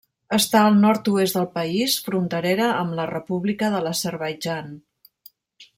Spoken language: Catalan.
Està al nord-oest del país, fronterera amb la república de l'Azerbaidjan.